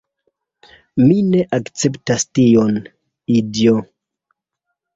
Mi ne akceptas tion, idiot'.